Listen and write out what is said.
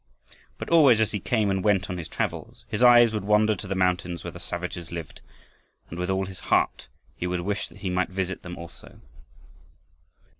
But always as he came and went on his travels, his eyes would wander to the mountains where the savages lived, and with all his heart he would wish that he might visit them also.